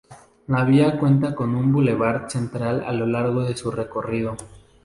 La vía cuenta con un bulevar central a lo largo de su recorrido.